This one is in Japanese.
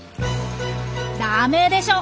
「ダメでしょ！